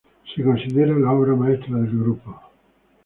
Se considera la obra maestra del grupo.